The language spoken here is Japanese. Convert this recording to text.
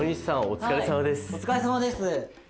お疲れさまです！